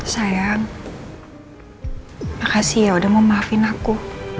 sayang makasih ya udah memaafin aku